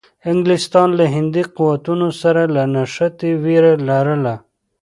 انګلیسانو له هندي قوتونو سره له نښتې وېره لرله.